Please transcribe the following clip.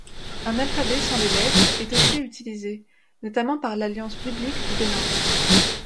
Un alphabet sans les lettres est aussi utilisé, notamment par l’Alliance biblique du Bénin.